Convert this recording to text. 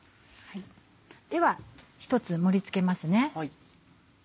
では１つ盛り付けますね。